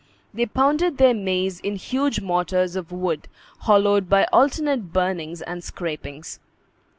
They pounded their maize in huge mortars of wood, hollowed by alternate burnings and scrapings.